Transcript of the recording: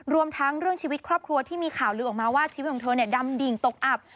รวมทั้งเรื่องชีวิตครอบครัวที่มีข่าวลือออกมาว่าชีวิตของเธอเนี่ยดำดิ่งตกอับ